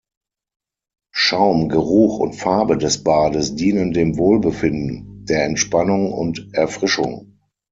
Schaum, Geruch und Farbe des Bades dienen dem Wohlbefinden, der Entspannung und Erfrischung.